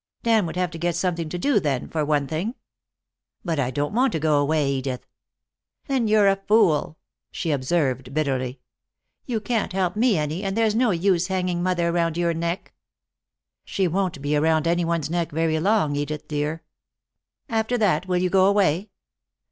Dan would have to get something to do, then, for one thing." "But I don't want to go away, Edith." "Then you're a fool," she observed, bitterly. "You can't help me any, and there's no use hanging mother around your neck." "She won't be around any one's neck very long, Edith dear." "After that, will you go away?"